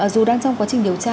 dù đang trong quá trình điều tra